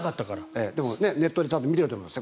でもネットで見てると思います。